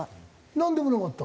なんでもなかった。